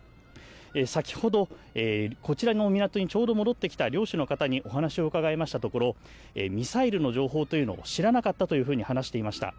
先ほど、こちらの港にちょうど戻ってきた漁師の方にお話を伺いましたところミサイルの情報というのを知らなかったというふうに話していました。